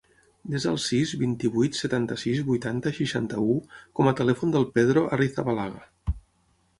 Desa el sis, vint-i-vuit, setanta-sis, vuitanta, seixanta-u com a telèfon del Pedro Arrizabalaga.